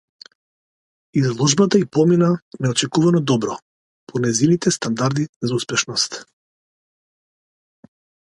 Изложбата ѝ помина неочекувано добро, по нејзините стандарди за успешност.